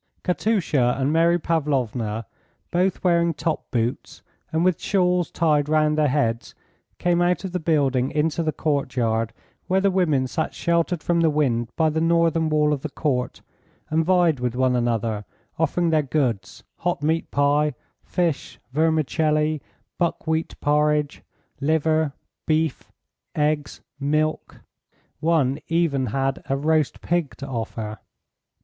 Katusha and Mary Pavlovna, both wearing top boots and with shawls tied round their heads, came out of the building into the courtyard where the women sat sheltered from the wind by the northern wall of the court, and vied with one another, offering their goods, hot meat pie, fish, vermicelli, buckwheat porridge, liver, beef, eggs, milk. One had even a roast pig to offer.